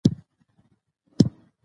افغانستان دي اسيا زړه ده